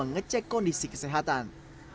mengecek kondisi kesehatan